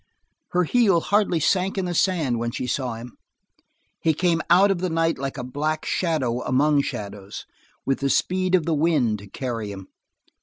Her heel hardly sank in the sand when she saw him. He came out of the night like a black shadow among shadows, with the speed of the wind to carry him.